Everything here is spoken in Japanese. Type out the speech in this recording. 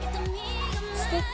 すてき。